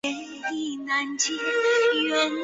白斑角鲨是卵胎生的。